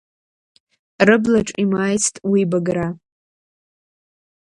Рыблаҿ имааицт уи быгра…